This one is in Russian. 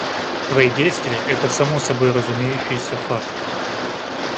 Твои действия это само собой разумеющийся факт.